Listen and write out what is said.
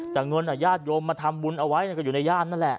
แต่เงินญาติโยมมาทำบุญเอาไว้ก็อยู่ในย่านนั่นแหละ